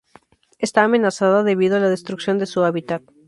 Está amenazada debido a la destrucción de su hábitat.